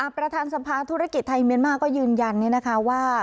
ประธานสมภาฯธุรกิจไทยเมียนมาก็ยืนยันเนี่ยนะคะว่า